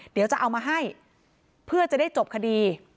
เดี๋ยวจะเอามาให้เพื่อจะได้จบคดี